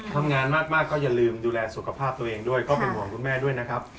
ทำงานมากก็อย่าลืมดูแลสุขภาพตัวเองด้วยก็เป็นห่วงคุณแม่ด้วยนะครับ